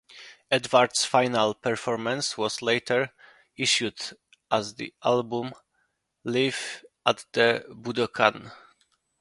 Edwards' final performance was later issued as the album Live at the Budokan.